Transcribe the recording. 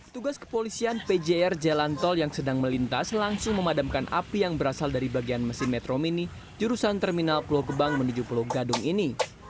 tugas kepolisian pjr jalan tol yang sedang melintas langsung memadamkan api yang berasal dari bagian mesin metro mini jurusan terminal pulau gebang menuju pulau gadung ini